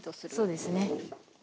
そうですね。